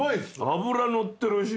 脂乗ってるし。